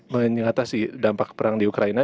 mengatasi dampak perang di ukraina